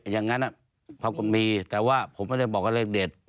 อย่างนั้นเขาก็มีแต่ว่าผมไม่ได้บอกว่าเลขเด็ด